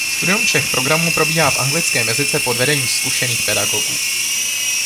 Studium všech programů probíhá v anglickém jazyce pod vedením zkušených pedagogů.